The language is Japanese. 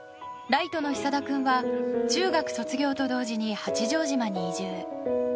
ライトの久田君は中学卒業と同時に八丈島に移住。